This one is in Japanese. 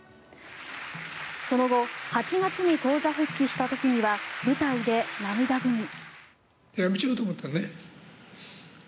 その後８月に高座復帰した時には舞台で涙ぐみ。